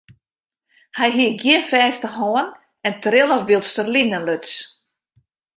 Hy hie gjin fêste hân en trille wylst er linen luts.